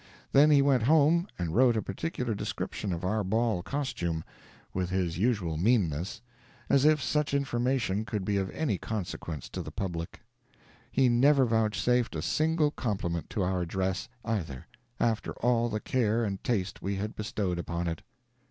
Then he went home and wrote a particular description of our ball costume, with his usual meanness, as if such information could be of any consequence to the public. He never vouchsafed a single compliment to our dress, either, after all the care and taste we had bestowed upon it.